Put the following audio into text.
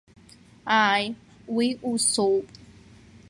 Ааи, уи усоуп.